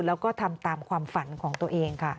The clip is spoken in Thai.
แล้วก็ทำตามความฝันของตัวเองค่ะ